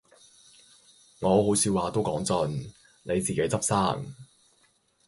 我好說話都講盡，你自己執生